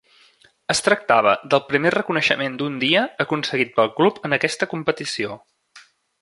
Es tractava del primer reconeixement d'un dia aconseguit pel club en aquesta competició.